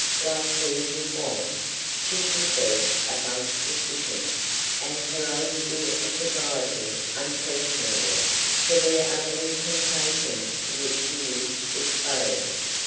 Like "Caesar's wife," she should be "above suspicion," and her honesty and sobriety unquestionable; for there are many temptations to which she is exposed.